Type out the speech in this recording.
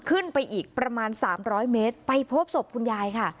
ขึ้นไปอีกประมาณ๓๐๐เมตรไปพบศพคุณยายค่ะ